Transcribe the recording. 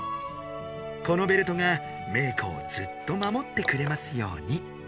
このベルトがメー子をずっとまもってくれますように。